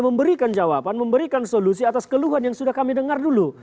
memberikan jawaban memberikan solusi atas keluhan yang sudah kami dengar dulu